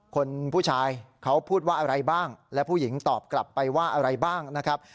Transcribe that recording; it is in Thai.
คนผู้ชายเขาพูดว่าอะไรบ้างและผู้หญิงตอบกลับไปว่าอะไรบ้างนะครับ